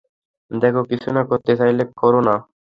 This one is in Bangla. দেখো, কিছু না করতে চাইলে করো না।